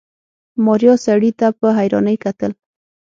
ماريا سړي ته په حيرانۍ کتل.